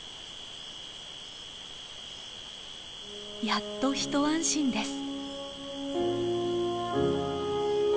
やっと一安心です。